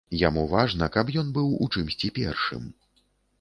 Яму важна, каб ён быў у чымсьці першым.